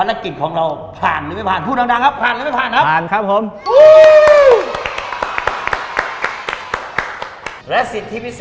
เห็นเลยอ่ะเออดี